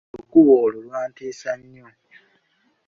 Olukuubo olwo lwantiisa nnyo.